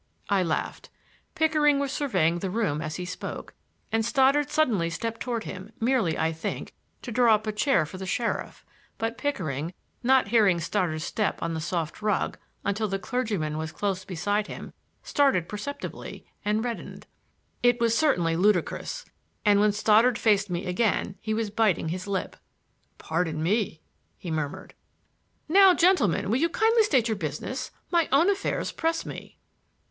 I laughed. Pickering was surveying the room as he spoke,—and Stoddard suddenly stepped toward him, merely, I think, to draw up a chair for the sheriff; but Pickering, not hearing Stoddard's step on the soft rug until the clergyman was close beside him, started perceptibly and reddened. It was certainly ludicrous, and when Stoddard faced me again he was biting his lip. "Pardon me!" he murmured. "Now, gentlemen, will you kindly state your business? My own affairs press me."